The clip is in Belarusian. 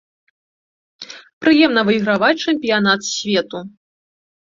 Прыемна выйграваць чэмпіянат свету.